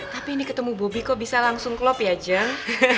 tapi ketemu bobi kok bisa langsung klop ya jeng